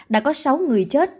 đã có sáu người chết